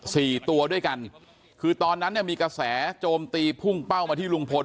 สี่ตัวด้วยกันคือตอนนั้นเนี่ยมีกระแสโจมตีพุ่งเป้ามาที่ลุงพล